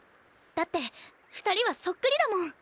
だって２人はそっくりだもん。